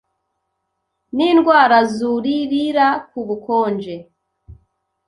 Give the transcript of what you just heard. n’indwara zuririra ku bukonje.